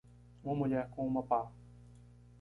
Uma mulher com uma pá.